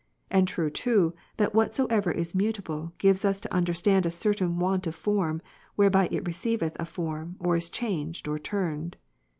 And true too, that whatsoever is mutable, gives us to understand a certain Avant of form, whereby it receiveth a form, or is changed, or turned.